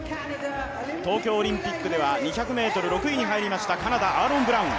東京オリンピックでは２００ｍ６位に入りましたカナダ、アーロン・ブラウン。